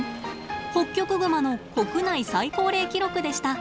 ホッキョクグマの国内最高齢記録でした。